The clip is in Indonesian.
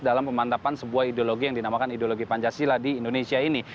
dalam pemantapan sebuah ideologi yang dinamakan ideologi pancasila di indonesia ini